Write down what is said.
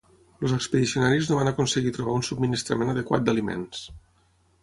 Els expedicionaris no van aconseguir trobar un subministrament adequat d'aliments.